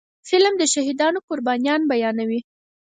فلم د شهیدانو قربانيان بیانوي